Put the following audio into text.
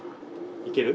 いける？